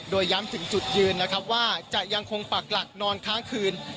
โดยย้ำถึงจุดยืนนะครับว่าจะยังคงปักหลักนอนค้างคืน